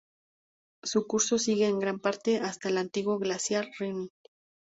Su curso sigue en gran parte hasta el antiguo glaciar Rinne.